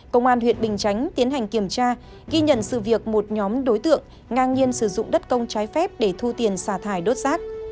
công an huyện bình chánh tiến hành kiểm tra ghi nhận sự việc một nhóm đối tượng ngang nhiên sử dụng đất công trái phép để thu tiền xả thải đốt rác